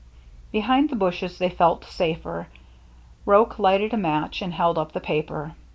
Behind the bushes they felt safer. Roche lighted a match and held up the paper.